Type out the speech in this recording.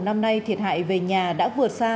năm nay thiệt hại về nhà đã vượt ra